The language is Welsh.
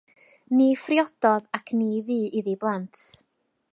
Ni phriododd ac ni fu iddi blant.